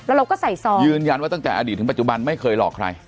เราก็ใส่ซองยืนยันว่าตั้งแต่อดีตถึงปัจจุบันไม่เคยหลอกใคร